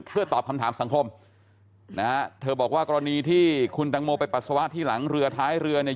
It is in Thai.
เพื่อตอบคำถามสังคมนะฮะเธอบอกว่ากรณีที่คุณตังโมไปปัสสาวะที่หลังเรือท้ายเรือเนี่ย